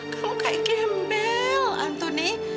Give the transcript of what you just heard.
kamu kayak gembel antoni